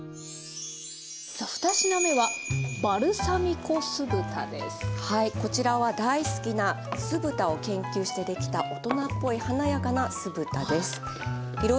さあ２品目はこちらは大好きな酢豚を研究して出来た大人っぽい華やかな酢豚です。